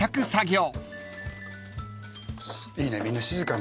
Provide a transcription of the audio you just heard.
いいね。